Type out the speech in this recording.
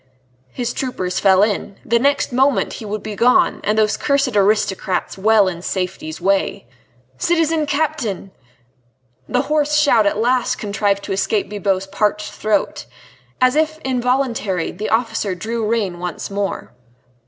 His troopers fell in. The next moment he would be gone, and those cursed aristocrats well in safety's way. "Citizen Captain!" The hoarse shout at last contrived to escape Bibot's parched throat. As if involuntarily, the officer drew rein once more.